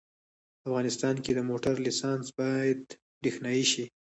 په افغانستان کې د موټر لېسنس باید برېښنایي شي